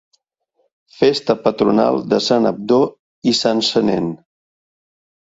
Festa patronal de Sant Abdó i Sant Senén.